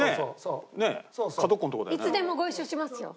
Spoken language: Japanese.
いつでもご一緒しますよ。